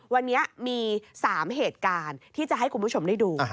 วันนี้มี๓เหตุการณ์ที่จะให้คุณผู้ชมได้ดู